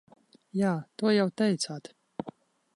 Jā, to jau teicāt.